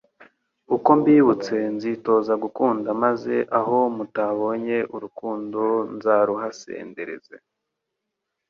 Uko mbibutse nzitoza gukunda maze aho mutabonye urukundo nzaruhasendereze!